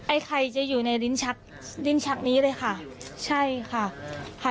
ไอ้ไขจะอยู่ในลิ้นชักนี้เลยค่ะใช่ค่ะ